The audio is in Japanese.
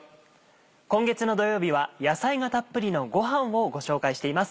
今月の土曜日は野菜がたっぷりのごはんをご紹介しています。